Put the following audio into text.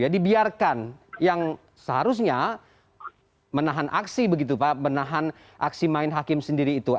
dibiarkan yang seharusnya menahan aksi main hakim sendiri itu